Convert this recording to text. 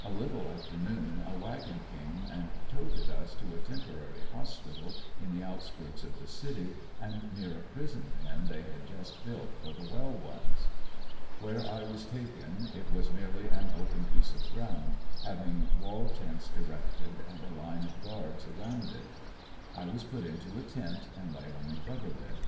A little after noon a wagon came and toted us to a temporary hospital in the outskirts of the city, and near a prison pen they had just built for the well ones. Where I was taken it was merely an open piece of ground, having wall tents erected and a line of guards around it. I was put into a tent and lay on the coverlid.